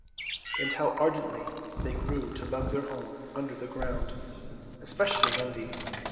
And how ardently they grew to love their home under the ground; especially Wendy.